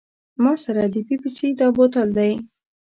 ما سره د پیپسي دا بوتل دی.